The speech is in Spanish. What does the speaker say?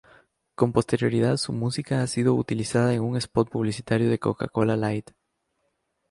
Con posterioridad su música ha sido utilizada en un spot publicitario de Coca-Cola Light.